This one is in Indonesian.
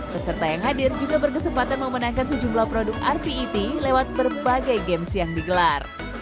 peserta yang hadir juga berkesempatan memenangkan sejumlah produk rpet lewat berbagai games yang digelar